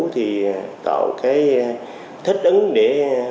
thì tạo cái thích ứng để